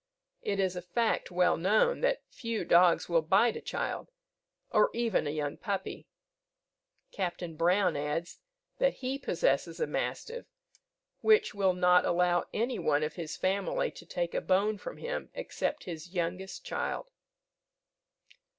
It is a fact well known, that few dogs will bite a child, or even a young puppy. Captain Brown adds, that he possesses a mastiff, which will not allow any one of his family to take a bone from him except his youngest child.